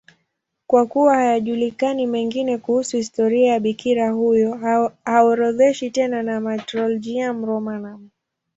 Kwa kuwa hayajulikani mengine kuhusu historia ya bikira huyo, haorodheshwi tena na Martyrologium Romanum.